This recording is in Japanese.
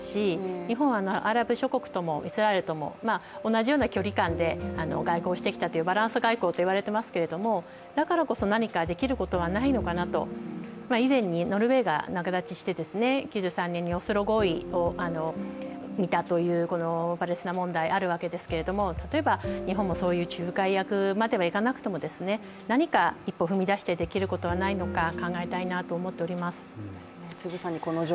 日本はアラブ諸国ともイスラエルとも同じような距離感で外交をしてきたバランス外交と言われてますけどだからこそ何かできることはないのかなと以前、ノルウェーが仲立ちして９３年にオスロ合意できたというパレスチナ合意があるんですけれども日本もそういう、仲介役とまではいかなくても一歩踏み出してやれることがないか考えたいなと思っております。